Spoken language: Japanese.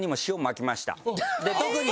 特に。